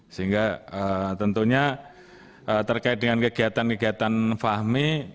sehingga tentunya terkait dengan kegiatan kegiatan fahmi